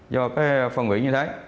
do cái phân quỷ như thế